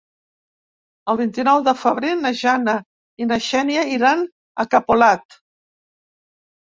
El vint-i-nou de febrer na Jana i na Xènia iran a Capolat.